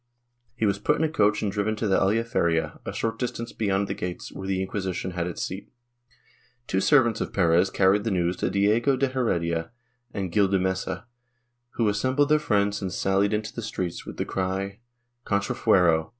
He was put in a coach and driven to the Aljaferia, a short distance beyond the gates, where the Inquisition had its seat. Two servants of Perez carried the news to Diego de Heredia and Gil de Mesa, who assembled their friends and sallied into the streets, with the cry, Contrafuero!